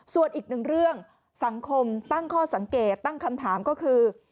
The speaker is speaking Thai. ส่วนอีกหนึ่งเรื่องสังคมตั้งข้อสังเกตตั้งคำถามก็คือ